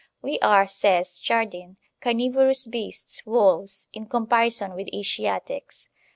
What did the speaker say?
*We are,* says Chardin, * carnivorous beasts, wolves, in comparison with Asiatics.